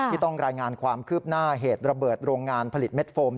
ต้องรายงานความคืบหน้าเหตุระเบิดโรงงานผลิตเม็ดโฟม